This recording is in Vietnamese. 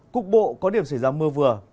cục bộ có điểm xảy ra mưa vừa